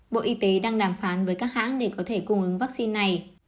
bộ y tế đang đàm phán với các hãng để có thể cung ứng vaccine này